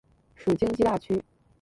属京畿大区。